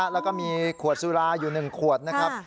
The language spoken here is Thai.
แล้วก็มีขวดสุราอยู่๑ขวดนะครับ